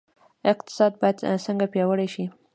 اقتصاد باید څنګه پیاوړی شي؟